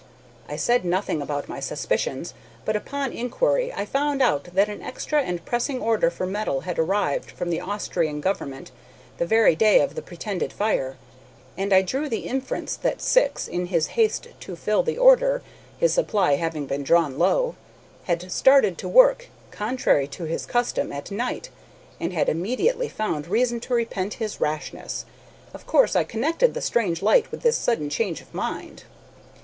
I said nothing about my suspicions, but upon inquiry I found out that an extra and pressing order for metal had arrived from the Austrian government the very day of the pretended fire, and I drew the inference that Syx, in his haste to fill the order his supply having been drawn low had started to work, contrary to his custom, at night, and had immediately found reason to repent his rashness. Of course, I connected the strange light with this sudden change of mind.